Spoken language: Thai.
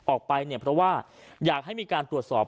ออกไปเนี่ยเพราะว่าอยากให้มีการตรวจสอบ